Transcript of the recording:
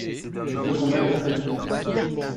Le combat est très-vif.